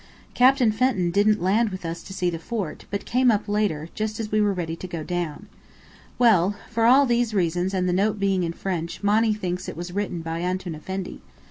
"Captain Fenton didn't land with us to see the fort, but came up later, just as we were ready to go down. Well, for all these reasons and the note being in French Monny thinks it was written by Antoun Effendi.